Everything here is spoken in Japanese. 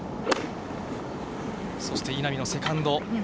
そして、稲見のセカンド。